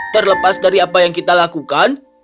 terlepas dari apa yang kita lakukan